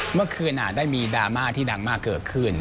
เมื่อคืนได้มีดราม่าที่ดังมากเกิดขึ้น